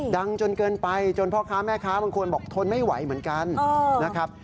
จนเกินไปจนพ่อค้าแม่ค้าบางคนบอกทนไม่ไหวเหมือนกันนะครับ